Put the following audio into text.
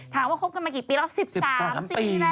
คบกันมากี่ปีแล้ว๑๓ปีแล้ว